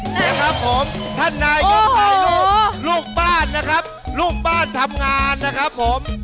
นะครับผมท่านนายกให้ลูกลูกบ้านนะครับลูกบ้านทำงานนะครับผม